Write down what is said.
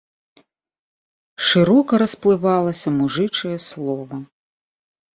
Шырока расплывалася мужычае слова.